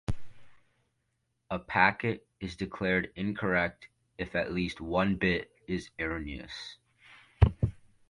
A packet is declared incorrect if at least one bit is erroneous.